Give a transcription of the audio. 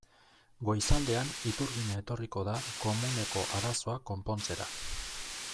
Goizaldean iturgina etorriko da komuneko arazoa konpontzera.